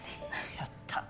やった！